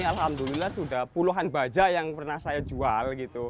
alhamdulillah sudah puluhan bajai yang pernah saya jual